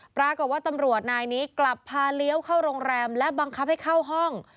ปรากฏว่าตำรวจนายนี้กลับพาเลี้ยวเข้าโรงแรมและบังคับให้เข้าห้อง